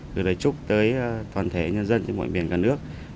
gửi lời chúc tới toàn thể nhân dân trên mọi biển cả nước